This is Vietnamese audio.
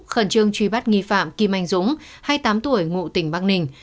khẩn trương truy bắt nghi phạm kim anh dũng hai mươi tám tuổi ngụ tỉnh bắc ninh